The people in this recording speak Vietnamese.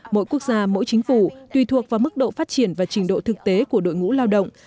mỗi quốc gia mỗi chính phủ tùy thuộc vào mức độ phát triển và trình độ thực tế của đội ngũ lao động